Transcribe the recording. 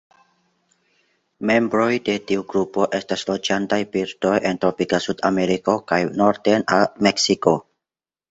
Membroj de tiu grupo estas loĝantaj birdoj en tropika Sudameriko kaj norden al Meksiko.